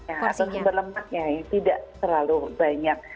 atau sumber lemaknya yang tidak terlalu banyak